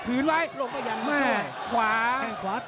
หรือว่าผู้สุดท้ายมีสิงคลอยวิทยาหมูสะพานใหม่